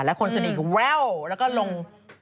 และคนสนิทแว่วแล้วก็ลง